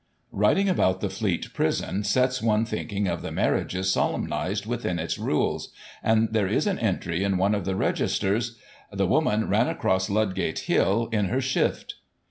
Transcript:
Writing about the Fleet prison sets one thinking of the marriages solemnized within its rules, and there is an entry in one of the registers :" The Woman ran across Ludgate Hill in her shift."